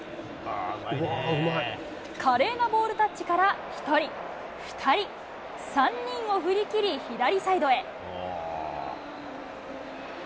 華麗なボールタッチから１人、２人、３人を振りきり、左サイドへ。